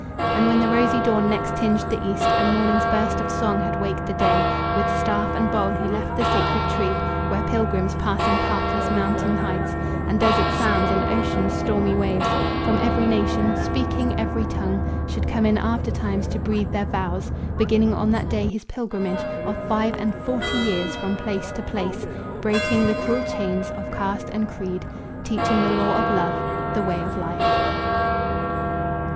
And when the rosy dawn next tinged the east, And morning's burst of song had waked the day, With staff and bowl he left the sacred tree Where pilgrims, passing pathless mountain heights, And desert sands, and ocean's stormy waves, From every nation, speaking every tongue, Should come in after times to breathe their vows Beginning on that day his pilgrimage Of five and forty years from place to place, Breaking the cruel chains of caste and creed, Teaching the law of love, the way of life.